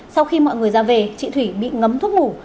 sau khi mọi người ra về chị thủy bị ngấm thuốc ngủ